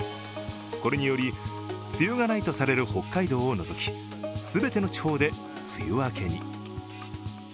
これにより、梅雨がないとされる北海道を除き、全ての地方で梅雨明けに。